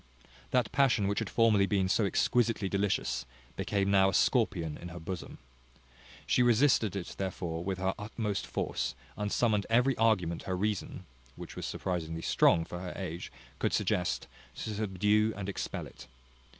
That passion which had formerly been so exquisitely delicious, became now a scorpion in her bosom. She resisted it therefore with her utmost force, and summoned every argument her reason (which was surprisingly strong for her age) could suggest, to subdue and expel it.